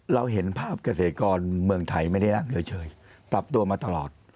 เราเห็นภาพเกษตรกรเมืองไทยไม่ได้ละเฉยปรับตัวมาตลอด